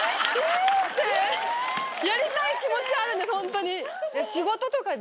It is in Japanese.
やりたい気持ちはあるんですホントに。